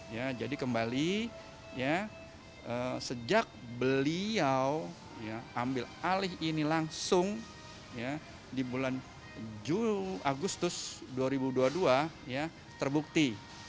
ya jadi kembali ya sejak beliau ambil alih ini langsung ya di bulan juli agustus dua ribu dua puluh dua ya terbukti